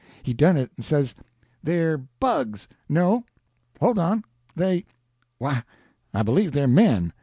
He done it, and says: "They're bugs. No—hold on; they—why, I believe they're men.